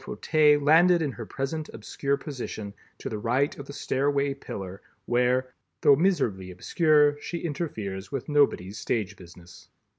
Fauteuil landed in her present obscure position, to the right of the stairway pillar, where, though miserably obscure, she interferes with nobody's stage business.